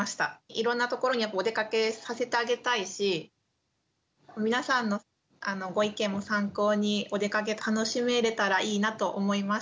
いろんな所におでかけさせてあげたいし皆さんのご意見も参考におでかけ楽しめれたらいいなと思いました。